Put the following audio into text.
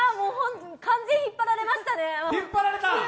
完全引っ張られましたね。